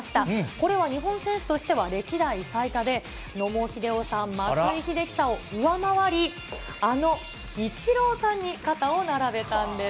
これは日本選手としては歴代最多で、野茂英雄さん、松井秀喜さんを上回り、あのイチローさんに肩を並べたんです。